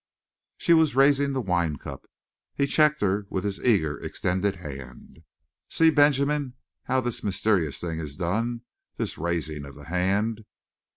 She was raising the wine cup; he checked her with his eager, extended hand. "See, Benjamin, how this mysterious thing is done, this raising of the hand.